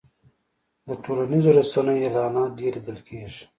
د ټولنیزو رسنیو اعلانات ډېر لیدل کېږي.